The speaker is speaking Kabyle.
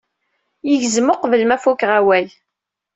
Yegzem uqbel ma fukeɣ awal.